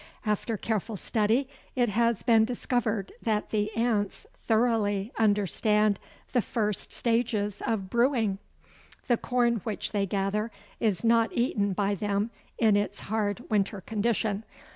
After careful study it has been discovered that the ants thoroughly understand the first stages of brewing! The corn which they gather is not eaten by them in its hard winter condition.